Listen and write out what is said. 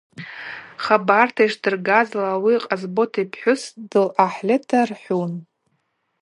Хабарта йшдыргазла ауи Къасбот йпхӏвыс дылъахӏльыта рхӏвун.